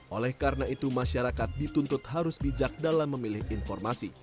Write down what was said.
oleh karena itu masyarakat dituntut harus bijak dalam memilih informasi